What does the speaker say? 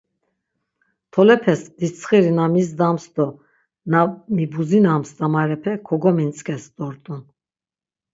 Tolepes ditsxiri na mizdams do na mibuzinams damarepe kogomintzǩes dort̆un.